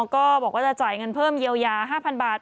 ก็บอกว่าจะจ่ายเงินเพิ่มเยียวยา๕๐๐บาท